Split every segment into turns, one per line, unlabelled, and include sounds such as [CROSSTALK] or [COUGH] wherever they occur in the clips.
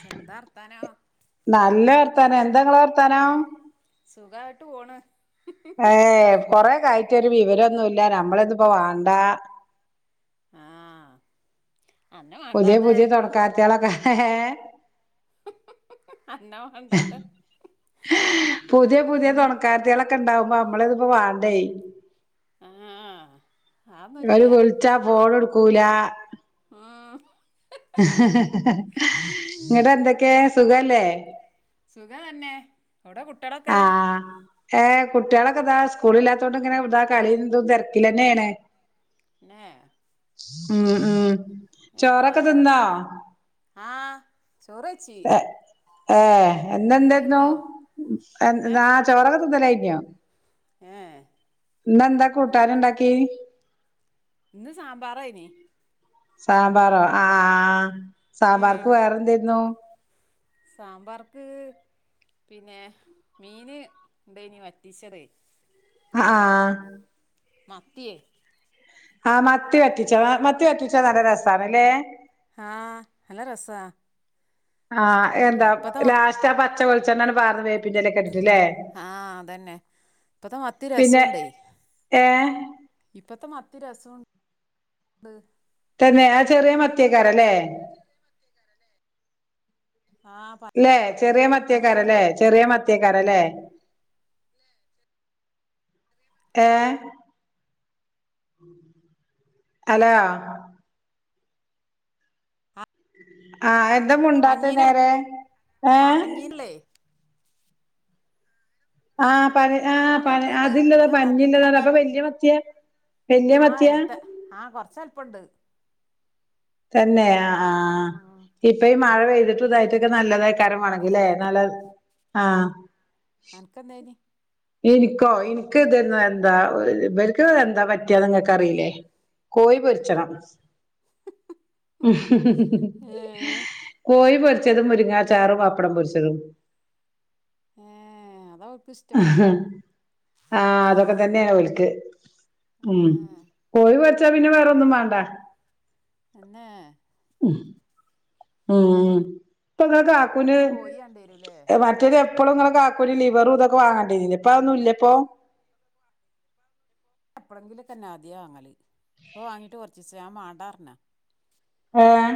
സ ന്താവർത്താനം.
നല്ല വർത്താനം എന്താഇങ്ങളെ വർത്താനം?
സുഖമായിട്ട് പോണ്.
ഏ കൊറെ ആയിറ്റ് ഒരു വിവരം ന്നുല്ല നമ്മള ന്ന്പ്പോ വേണ്ട.
ആഹ
പുതിയ പുതിയ തോന്നയ്കാരത്തിയൊള്ക്കെ ഹ്
അന്നെ
ഹ് ഹ്
വേണ്ടാതെ
പുതിയ പുതിയ
ഉം
തോന്നയ്കാരത്തിയൊള്ക്കെ- ക്കെണ്ടാവുമ്പോ നമ്മളൊന്നും ഇപ്പോ വാണ്ടേയ്.
ആഹ് ആന്നും ഇല്ല.
വിളിച്ചാൽ ഫോൺ എടുക്കൂല്ല.
ആഹ്.
ഹെ ഹെ ഇന്നിട്ട് എന്തൊക്കെ സുഖല്ലേ?
സുഖയന്നെ എവിടെ കുട്ടികളൊക്കെ?
ഏഹ് കുട്ടികളൊക്കെ ഇന്താ സ്കൂള് ഇില്ലാത്തുകൊണ്ട് ഇങ്ങനെ ഇതാ കളീം ഇന്തും തെരക്കിലെന്നെയാണ്.
നെ
ഉം ഉം ചോറൊക്കെ
ഏഹ്
തിന്നോ?
ആഹ് ചോറ്
ഏ ഏഹ്
ഇജ്ജ്
ഇന്നെന്തരുന്നു
തിന്നോ ഏഹ്
ന്നാ ചൊറ് ഒക്കെ തിന്നലൽയ്ന്നോ?
ഏഹ്
ഇന്ന് എന്താ
മോ
കൂട്ടാൻ ഇണ്ടാക്കി.
ഇന്ന് സാമ്പാറയ്ന്.
സാമ്പാറോ ആഹ് ആഹ്
ഉം
സാമ്പാർക്ക് വേറെന്തായിരുന്നു.
സാമ്പാർക്ക് പിന്നെ മീന് ഇണ്ടയ്ന്ന് വറ്റീച്ചത്.
ആഹ് ആഹ്.
മത്തിയേ.
ആഹ് മത്തി വറ്റിച്ചതാ മത്തി വറ്റിച്ചത് നല്ല രസാണ്ല്ലേ?
ആഹ് നല്ല രസാ.
ആഹ് എന്താ
ഇപ്പത്തെ മ
ലാസ്റ്റ് ആഹ് പച്ച വെളിച്ചെണ്ണ പാർന്ന് വേപ്പിന്റെറെലൊക്കെ ഇട്ടിട്ടില്ലേ.
ആഹ് അതന്നെ ഇപ്പത്ത മത്തി
പിന്നെ
രസംണ്ടേ?
ഏ
ഇപ്പത്തെ മത്തി രസം ണ്ട്.
തന്നെ ആ ചെറിയ മത്തിയ്ക്കാരല്ലേ?
ആ പത്ത്
ല്ലെ ചെറിയ മത്തിയക്കാരല്ലെ ചെറിയ മത്തിയക്കാരല്ലേ? ഏഹ്. ഹലോ.
ആ
ആഹ് എന്താ മുണ്ടാത്ത് നേരെ ഏഹ്.
ഇല്ലെ.
ആഹ് പ ആഹ്
ഞാൻ
പ
മുണ്ട്ണ്ട്
അതില്ലതാ
ഇജ്ജ ഇടാത്തെ
പഞ്ഞിൻല്ലതാ അപ്പൊ വല്യ മത്തിയാ.
ആഹ് എടുത്ത് ആഹ കൊറച്ച് വലുപ്പംണ്ട്.
തന്നെയ ആഹ്
ഉം
ഇപ്പൊ ഈ മഴ പെയ്തിട്ട് ഇതായിട്ടൊക്കെ നല്ലതായി. യികരം വണങ്കിൽല്ലേ
അനക്ക്
നല്ല ആഹ്.
അനക്ക് എന്തായിനി
എനിക്കോ ഇനിക്ക് ഇതന്നെ എന്താ ഇവർക്ക് എന്താ പറ്റിയന്ന് നിങ്ങക്ക് അറിയില്ലേ? കോഴി പൊരിച്ചണം ഹ് ഹ്
ഏ
കോഴിപൊരിച്ചതും മുരിങ്ങാ ചാറും പപ്പടം പൊരിച്ചതും.
ഏഹ് അതാ ഓക് ഇഷ്
ഹ്ആ അതൊക്കെ തന്നെയ ഓല്ക് ക്ക് ഉം.
ഏ
കോഴി പൊരിച്ചാ പിന്നെ വേറെ ഒന്നും വേണ്ട.
തന്നെ.
ഉം ഇപ്പോ ഇങ്ങളെ കാക്കുന്
എന്നും കോഴി വാണ്ടിവരൂല്ലേ
മ മറ്റേത് എപ്പോഴുംഇങ്ങളൊകാക്കൂന് ലിവറ് ഇതൊക്കെ വാങ്ങണ്ടീനി ല്ലപ്പൊ അത് ഒന്നും ഇല്ലപ്പോ?
എപ്പഴെങ്കിലും തന്നെ ആദ്യ വാങ്ങല് ഇപ്പൊ വാങ്ങീട്ട് കുറച്ച് ദിവസംആയി ഞാൻ മാടാന്ന് പറഞ്ഞ.
ഏഹ്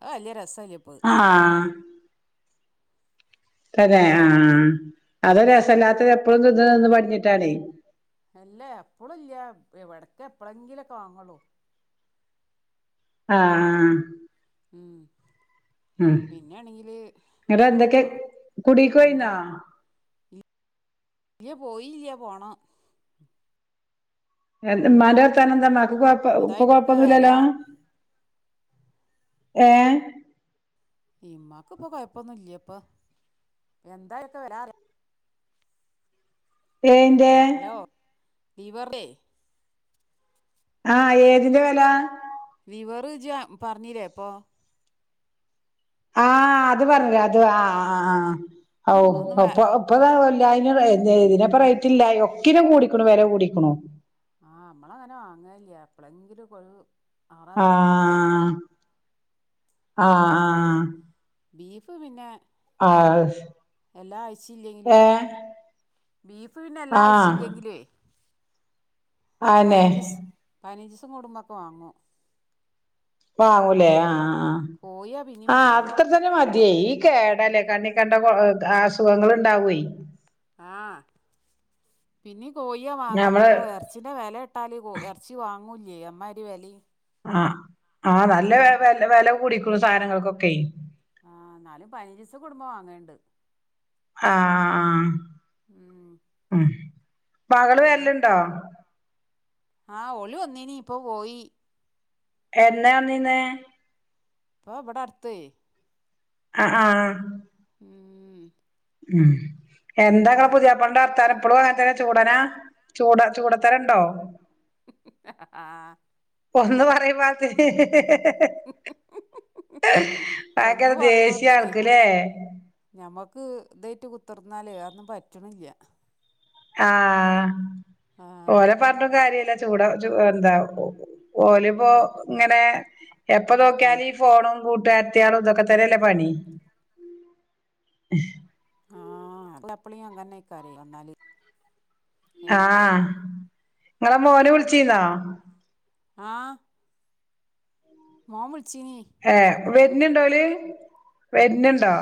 അയ്യ് വല്യ രസല്ല ഇപ്പൊ അത്.
ആഹ് തന്നെ
ഏ
ആഹ് അത് രസയില്ലാത്തത് എപ്പോഴും തിന്ന് തിന്ന് പടിഞ്ഞിട്ടാണ്.
അല്ലേ എപ്പളും ഇല്ല എവിടക്ക എപ്പഴെങ്കിലൊക്കെ വാങ്ങള്ളൂ
ആഹ
ഉം പിന്നെയാണെങ്കില്
ഇന്നട്ട്
ഓ
എന്തൊക്കെ
വ
കുടീക്ക്
എന്താ
പോയിന്നോ
ഇല്ല പോയി ഇല്ല പോണം
എ മ്മാന്റെ വർത്താനം എന്താ ക്ക്
എന്താ
ഇപ്പ
അയിന്റൊക്കെ വെല
കൊഴപ്പൊന്നുംല്ലലോ ഏ
ഇ്മാക്ക് ഇപ്പൊ കൊഴപ്പൊന്നും ഇല്ലപ്പൊ എന്തായൊക്കെ വരാറ
എയിന്റെ
ലിവറ്
ആഹ്‌ ഏതിന്റെ വില
ലിവ ർ ജ് പറഞ്ഞിലെ ഇപ്പൊ
ആഹ്‌ അത് പറഞ്ഞരാ അത് ആ ആ ആ ഔ
അതൊന്ന് വേ
അപ്പോ അപ്പൊല്ല അതി ഇതിനപ്പ റേറ്റ്ല് ഒക്കിനും കൂടിക്കണു വരെ കൂടിക്കണോ
ആഹ് നമ്മളങ്ങനെ വാങ്ങല്ല എപ്പളെങ്കിലും കൊ
ആഹ്‌ ആഹ്‌
അതൊക്കെ ബീഫ് പിന്നെ
ആഹ് ആഹ്
എല്ലാ അഴച്ച
ഏ
ഇല്ലെങ്കിലും ബീഫ് പിന്നെ എല്ലാം
ആഹ്
ആഴ്ച്ചില്ലെങ്കിലേ
അന്നെ
പതിനഞ്ച് പതിനഞ്ചസും കൂടുമ്പോക്കെ വാങ്ങും
വാങ്ങൂലേ ആഹ് ആഹ
കോഴിയാ പിന്നെയും
ആഹ്
വാങ്ങല്
അത്ര അത്ര മതിയേ ഈ കേടല്ലേ കണ്ണ കണ്ട അസുഖങ്ങൾ ഉണ്ടാവുവേ
ആഹ് പിന്നീ കോയോ വാങ്ങാ
ഞമ്മള്
പിന്നെ എർ ഇറച്ചിൻ്റെ വില കേട്ടാൽ ഇറച്ചി വാങ്ങൂല്ലേ അമ്മാതിരി വില
ആഹ് ആഹ് നല്ല വ വില കൂടിക്കുന്നു സാധനങ്ങൾക്കൊക്കെ
ആഹ് എന്നാലും പതിനഞ്ച് ദിവസം കുടുംബം വാങ്ങണ്ട്
ആഹ്
ഉം
ഉം മകള്
പിന്നെ
വരലുണ്ടോ
ആഹ് ഒള് വന്നീനി ഇപ്പൊ പോയി
എന്നാ വന്നിനെ
ഒ ഇവിടെ അടുത്ത
ആഹ് ആഹ്
ഉം
ഉം എന്താങ്കെ
പിന്നെ
പുതിയപ്പളണ്ടെ വർത്തം ഇപ്പളും അങ്ങനത്തന്നെ ചൂടനാ ചൂട ചുടാത്തര ഉണ്ടോ
ആ
ഒന്ന് പറുയുമ്പോ [INAUDIBLE] പയങ്കര
ഒന്ന്
ദേശീയ ആൾക്കല്ലേ
ഞമ്മുക്ക് ഇതേറ്റ് കുത്തിർന്നാൽ അത് ഒന്നും പറ്റണില്ല
ആഹ്
ആ
ഓലെ പറഞ്ഞിട്ടും കാര്യല്ല ചൂട ച എന്താ ഓലി ഇപ്പോ
അത്
ഇങ്ങനെ എപ്പ
നല്ല
നോക്കിയാല ഫോണും കൂട്ടുകരിത്തിയോളും ഇതൊക്കെ തന്നല്ലേ പണി
ആഹ് എപ്പളിയും അങ്ങനെക്കറല് വന്നാല് ഏഹ്
ആഹ് നിങ്ങളെ മോന് വിളിച്ചിനോ
ആഹ് മോൻ വിളിച്ചീനി
ഏഹ് വരനു ഉണ്ടോല് വരണിണ്ടോ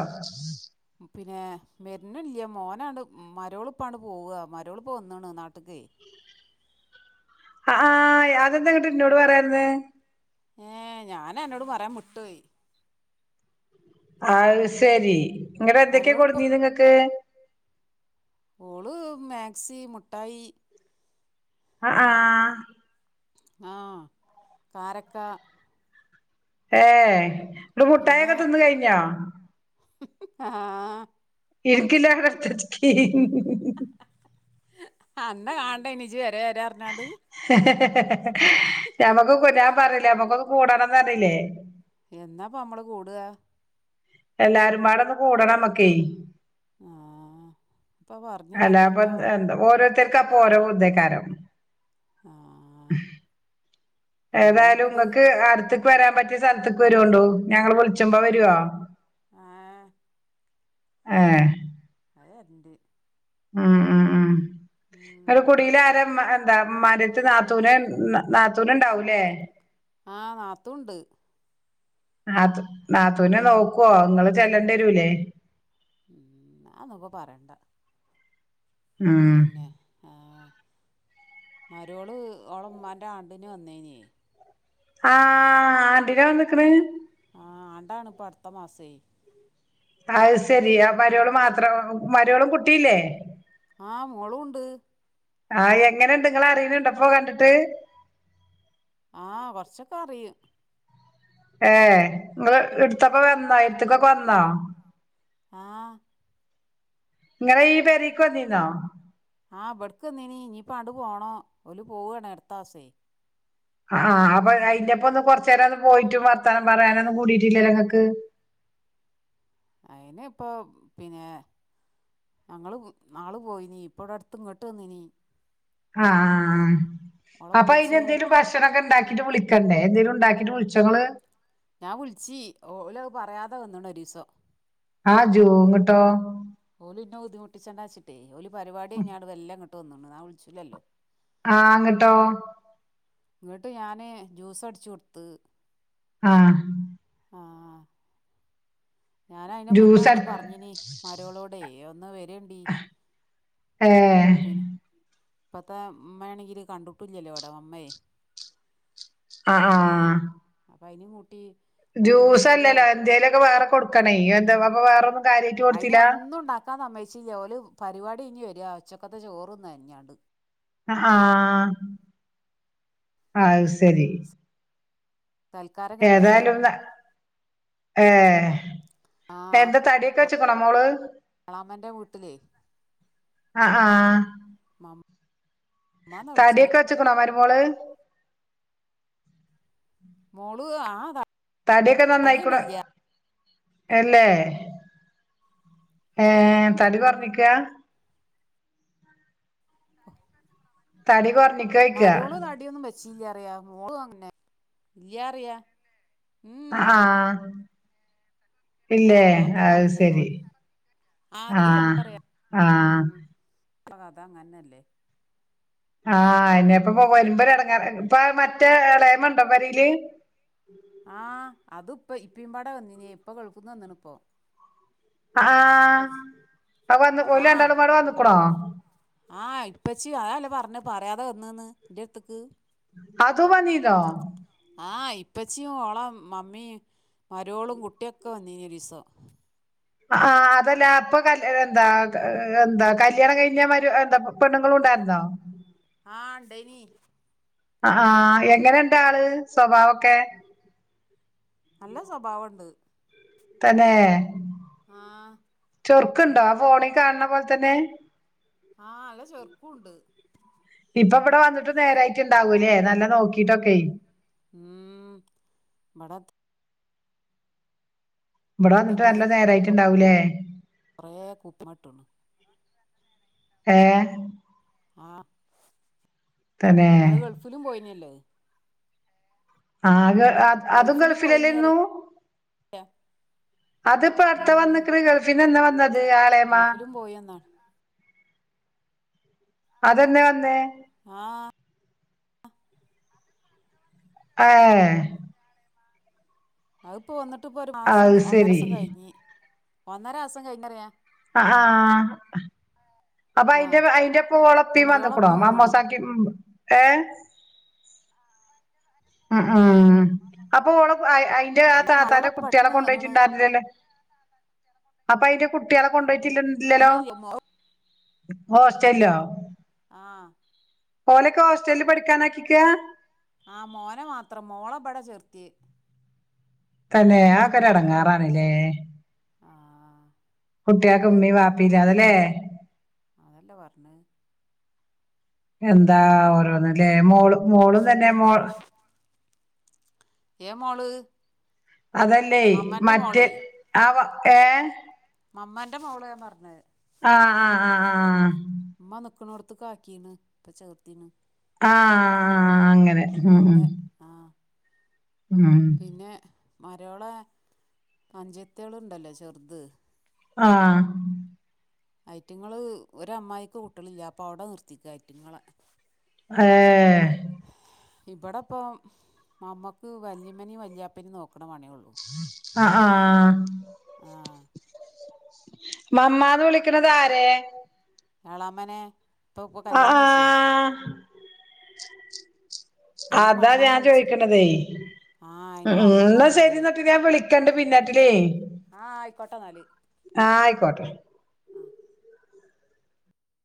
പിന്നെ മെരുന്നില്ലയ മോനാണ് മരവോളുപ്പാണ് പോവുക മരവോളുപ്പ് വന്നാണ് നാട്ട ട്ടികേ
ആഹ് ആഹ് അതെന്താ ന്നീട് എന്നോട് പറയതെ ഇരുന്നേ
ഏഹ് ഞാൻ അന്നോട് പറയാൻ വിട്ടുപോയി
അത് ശെരി ഇങ്ങടെ എന്തൊക്കെയ
മരോളിപ്പോ
കൊണ്ടുന്നീ നിങ്ങക്ക്
ഓളു മാക്സി മുഠായി
അഹ് ആഹ്
ആഹ് കാരക്ക
ഏഹ് എന്നിട്ട്
പിന്നെ
മുട്ടായൊക്കെ തിന്ന് കയ്ഞ്ഞോ?
ആഹ്
[UNINTELLIGIBLE]
അന്നെ കാണണ്ടെയ്ന് ജ്ജ് വരാ വരാർഞ്ഞാണ്ട്.
ഞമ്മക്ക് കുഞ്ഞ ഞാൻ പർഞ്ഞിലെ ഞമ്മക്കൊന്ന് കൂടന്നർഞ്ഞിലെ.
എന്നാപ്പ നമ്മള് കൂട
എല്ലാരുമ്പാടൊന്ന് കൂടണമ്മക്കെയ്.
ആഹ് ഇപ്പ പറഞ്ഞ് പറഞ്ഞിപ്പ
അല്ലാപ്പൊ എന്താ ഓരോര്ത്തര്ക്കപ്പൊ ഓരോ ഉുദെയ്ക്കാരം.
ആഹ് എന്നാപ്പത്
ഏതായാലുങ്ങക്ക് അട്ത്ത് വരാൻ പറ്റിയ സൽത്ത്ക്ക് വരോണ്ടു. ഞങ്ങള് വിൾച്ചമ്പൊ. വരോ?
ആഹ്
ഏഹ്
ആഹ് വരന്റ്.
ഉം ഉം ഉം
ഉം
ങ്ങക്ക് കുടീലാരാ മ്മ എന്താ മ്മാന്റെ നാത്തൂനെ നാത്തൂന്ണ്ടാവുംലെ?
ആഹ് നാത്തൂൻണ്ട്.
ആഹ് നാത്തൂനെ നോക്കുവോ നിങ്ങൾ ചെല്ലേണ്ടി വരൂല്ലേ
അഒന്നുപ്പ പറിയണ്ട.
ഉം
പിന്നെ ഏ മരോള് ഓളെ മ്മാന്റെ ആണ്ട്ന് വന്നെയ്നെ.
ആഹ് [UNINTELLIGIBLE]
ആഹ് ആണ്ടാണ്പ്പൊ അട്ത്ത മാസെ.
അയ്സെരി ആ മരോള് മാത്രോ മരോളും കുട്ടീല്ലേ?
ആഹ് മോളൂണ്ട്.
ആഹ് എങ്ങനെണ്ട് ഇങ്ങളറിണ്ണ്ണ്ടോ പ്പൊ കണ്ട്ട്ട്
ആഹ് കൊർചക്കറിയും.
ഏ ങ്ങള് ഇട്ത്തപ്പൊ വന്നോ? എട്ത്ത്ക്കൊക്കെ വന്നോ?
ആഹ്
ഇങ്ങളെ ഈ പെരീക്കെന്നീന്നോ?
ആഹ് ബെട്ക്കെന്നീനി ഞ്ഞിപ്പാണ്ട് പോണം ഓല് പോവാണ് അട്ത്താസെയ്‌.
ആഹ്. അപ്പൊ അയിന്റെപ്പൊന്ന് കൊറച്ചേരം ഒന്ന് പോയിറ്റും വർത്താനം പറിയാനൊന്നും കൂടീറ്റ്ല്ല ല്ലൊ ങ്ങക്ക്.
അയ്‌ന് പ്പൊ പിന്നെ. ഞങ്ങള് ന്നാള് പോയിനീ. ഇപ്പടെട്ത്ത് ങ്ങട്ടെന്നീനീ.
ആഹ് ആഹ് ആഹ്.
ഓളെ
അപ്പൊ
ഉപ്പച്ചിയും
അയിനെന്തേലും ഭക്ഷണൊക്കെ ണ്ടാക്കിട്ട് വിളി എന്നേ എന്തേലുണ്ടാക്കിട്ട് വിൾച്ചൊങ്ങള്?
ഞാവുൾച്ചി. ഓല് പറിയാതെ വന്ന്ണൊരീസം.
ആഹ് ജോങ്ങട്ടോ?
ഓല് ന്നെ ബുദ്ധിമുട്ടിച്ചണ്ടാച്ച്ട്ടെ, ഓല് പരിപാടിയ്ഞ്ഞാണ്ട് വെല്ലെ ങ്ങട്ട് വന്ന്ണ്. ന്നാ വുൾച്ചൂലല്ലോ?
ആഹ് ങ്ങട്ടോ?
ങ്ങട്ട് ഞാന് ജൂസട്ച്ചൊട്ത്ത്.
ആഹ്.
ആഹ് ആഹ് ഞാനയ്നെ
ജ്യൂസ്
അങ്ങോട്ട്
അട്
പറഞ്ഞിന മര്യോളോടെ ഒന്ന് വ
ഏഹ്
[UNINTELLIGIBLE] ഇപ്പത്തെ മ്മേണെങ്കില് കണ്ട്ട്ടുല്ലല്ലോ വടെ. മ്മേയ്.
ആഹ് ആഹ്
അപ്പയ്നിം കൂട്ടി. ആ
ജ്യൂസ്
വിളിച്ചണ്ട്
അല്ലല്ലോ
പറഞ്ഞു
എന്ത്യേലൊക്കെ വേറെ കൊടുക്കണ്യ എന്താ അപ്പൊ വേറൊന്നും കാര്യായിട്ട്
അതിന്
കൊടുത്തില്ല
ഒന്നും ഉണ്ടാക്കാൻ സമ്മേയിച്ചില്ല ഓല് പരിപാടി ഇനി വരിക ഉച്ചക്കത്തെ ചോറന്ന അരിഞ്ഞാണ്ട്
ആഹ് അത് ശരി
തൽക്കാരം കഴിഞ്ഞാട്
ഏ.
ആ
എന്താ തടിയൊക്കെ വെച്ചക്കണ മോള്?
വളാപ്പന്റെ വീട്ടിലേ-
ആഹ് ആഹ്
മമ്മാന്നാ വിളിച്ചല്
തടിയൊക്കെ വെച്ചക്കണോ മരുമോള്
മോളു ആഹ്
കടിയൊക്കെ നന്നായിക്കണ് അല്ലേ ഏ തടി കൊറപ്പിക്ക തടി കൊറഞ്ഞിക്കോയ്ക്ക
മരോള് തടി ടിയൊന്നും വച്ചില്ലാ പറയാ മോളും അങ്ങനെ ഇല്ലാ പറയാ
ആഹ്
ആ
ഇല്ലേ
ഒത്ത തടിന്നെ ഓ
അശരി
ആ തടി
ആഹ് ആഹ്
അപ്പ അത് അങ്ങനല്ലേ?
ആഹ് ഇന്നെ ഇപ്പൊ വരുമ്പര് ഇടങ്ങേറാ ഇപ്പ മറ്റേ ഇളയമണ്ടോമ്പരില്
ആഹ് അതുപ്പ ഇപ്പിംപാടെ വന്നിന്യെ ഇപ്പ ഗൾഫ്‌ന്ന് വന്നണ് പ്പോ.
അ ആഹ് അ വന്ന് ഒല് രണ്ടാളുംപട് വന്നക്കണോ?
ആഹ് ഇപ്പച്ചി അഅല്ലേ പർഞ് പറ്യാതെ വന്ന് ന്ന് ൻ്റെട്ത്ത്ക്ക്.
അതുവന്നീന്നോ.
ആഹ് ഇപ്പച്ചിയു ഓള മമ്മി മരോളും കുട്ട്യൊക്കെ വന്നീന്യൊരീസം.
അ ആഹ് അതല്ല അപ്പ കല് എന്താ എന്താ കല്യാണം കയ്ഞ്ഞ മര് എന്താ പെണ്ണുങ്ങളും ണ്ടായിര്ന്നോ?
ആഹ് ണ്ടെയിനി.
അഹാ എങ്ങനെണ്ടാള് സ്വഭാവൊക്കെ?
നല്ല സ്വഭാവണ്ട്.
തന്നെ.
ആഹ്.
ചൊർക്ക്ണ്ടോ ആ ഫോണി കാൺണ പോൽ തന്നെ.
ആഹ് നല്ല ചെർക്കുണ്ട്.
ഇപ്പ വട വന്ന്ട്ട് നേരായ്റ്റ്ണ്ടാവുലെ നല്ല നോക്കിട്ടൊക്കെയ്.
ഉം ബടെ തെ
ബടെ വന്ന്ട്ട് നല്ല നേരായിറ്റ്ണ്ടാവൂലേ.
കുറേ കൂപ്പാട്ട്ണ്.
ഏഹ്.
ആഹ്
തന്നെ
ന്നഹ് ഗൾഫിലും പോയ്ന്യല്ലേ.
ആക അ അതും
ഗൾഫിലും പോയിനി അറിയ
ഗൾഫിലല്ലേര്ന്നു. അത്പ്പ അട്ത്ത
ഉം
വന്ന്ക്ക്ണ് ഗൾഫിന്നെന്നെ വന്നത് ആളേമ്മ.
പോയെന്നാണ്.
അതെന്നേ വന്നേ?
ആഹ്.
അ ഏഹ്.
അഹ് പ്പോ വന്ന്ട്ട് പ്പൊരു മാസം
അത് ശരി
ഒന്നരസം കഴിഞി ഒന്നരാസം കഴിഞ്ഞറ്യ.
അ ആഹ്
ആ
അപ്പയ്ന്റെ അയിന്റെപ്പ
ഇപ്പൊ
ഒളപ്പീ വന്നക്കുണോ
മരോളൊപ്പം വന്നിണ്
മാമോസാക്കി. പിം ഏഹ്. അ ആഹ് അപ്പൊ ഓള അയ് അയ് ന്റെ ആ
അല്ല
താത്താന്റെ
മരോളൊപ്പം
കുട്ട്യളെ
പെട്ടെന്ന് വന്നിണ്
കൊണ്ടയ്റ്റ്ണ്ടായിര്ന്നില്ലല്ലേ. അപ്പയ്ന്റെ കുട്ട്യേളെ കൊണ്ടയ്റ്റില്ല
ഇല്ല
ഇല്ലലോ.
ഇല്ല മോ
ഹോസ്റ്റൽലോ?
ആഹ്.
ഓലെക്കോസ്റ്റൽല് പഠിക്കാനാക്കിയക്ക.
ആഹ് മോനെ മാത്രം മോളബട ചേർത്ത്യെ
തന്നെ അ ഒക്കെരെട്ങ്ങേറാണ് ലേ.
ആഹ്.
കുട്ട്യാക്ക് മ്മിം വാപ്പില്ലാത ലേ.
അതല്ല പർഞ്ഞഹ്.
എന്താ ഓരോന്ന് ലേ മോളു മോളുംതന്നെ മോൾ.
ഏ മോള്.
അതല്ലയ്
മമ്മന്റെ
മറ്റേ
മോളേ
ആവ ഏഹ്.
മമ്മാന്റെ മോളെ ഞാ പർഞ്ഞഹ്.
ആഹ് ആഹ് ആഹ്. ആഹ്.
മ്മ ന്ന്ക്ക്ണോട്ത്ത്ക്കാക്കീണ് പ്പ ചേർത്തീണ്.
ആഹ് ആഹ് ആ ആ ആ അങ്ങനെ. ഉം ഉം
ഔടെ ആഹ്.
ഉം.
പിന്നെ മരോളെ അഞ്ചത്ത്യള്ണ്ടല്ലോ ചെർത്
ആഹ്
ഐറ്റങ്ങള് ഒരമ്മായിക്ക് കുട്ട്യളില്ല അപ്പൊ അവിടെ നിർത്തിക്ക ഐറ്റങ്ങളെ
ഏഹ്
ഇവിടെപ്പം മമ്മക്ക് വല്ലിമ്മനിം വല്യാപ്പനിം നോ
അ ആഹ്
ആ
മമ്മാന്ന് വിളിക്കണത് ആരെ?
എളാമനെ ഇപ്പൊ പ്പൊ
ആ ആ
കല്യാണം കഴിച്ചേ അതിന്
അതാ
മമ്മ
ഞാൻ
എന്നാണ് വിളിച്ചത്
ചോയിക്ക്ണതേ
ആ അതിന്
ഉം
മമ്മ
ഉം
എന്നാണ്
ശരി
വിളിക്കൽ
ന്നട്ട് ഞാൻ വിളിക്കണ്ട് പിന്നാട്ടിലേ
ആഹ് ആയിക്കോട്ടെന്നാല്
ആഹ് ആയിക്കോട്ടെ
ആഹ്